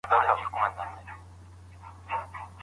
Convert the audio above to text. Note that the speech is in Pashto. په لاس لیکل د جهل پر وړاندي مبارزه ده.